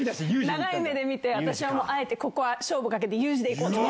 長い目で見て、私はあえてここは勝負かけて、勇次でいこうって。